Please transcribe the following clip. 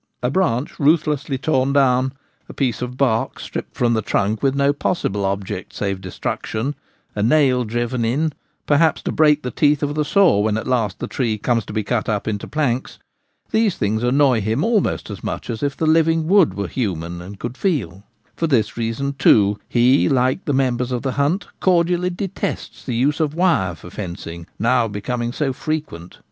A branch ruth Damage done by Wire fencing. 53 lessly torn down, a piece of bark stripped from the trunk with no possible object save destruction, a nail driven in — perhaps to break the teeth of the saw when at last the tree comes to be cut up into planks — these things annoy him almost as much as if the living wood were human and could feel For this reason, he too, like the members of the hunt, cordially detests the use of wire for fencing, now becoming so frequent.